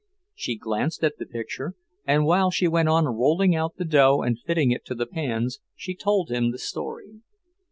She glanced at the picture, and while she went on rolling out the dough and fitting it to the pans, she told him the story.